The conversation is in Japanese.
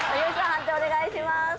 判定お願いします。